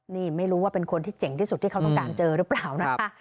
นี่ไม่รู้ว่าเป็นคนที่เจ๋งที่สุดที่เขาต้องการเจอหรือเปล่านะคะ